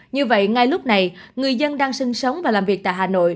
như vậy ngay lúc này người dân đang sinh sống và làm việc tại hà nội